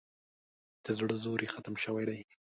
د زړه زور یې ختم شوی دی.